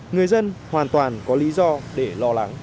người dân hoàn toàn có lý do để lo lắng